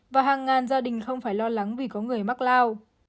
và hàng ngàn gia đình không phải lo lắng vì có người mắc lao